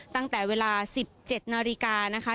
ตั้งแต่เวลา๑๗นาฬิกานะคะ